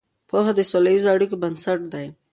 پوهه د سوله ییزو اړیکو بنسټ دی.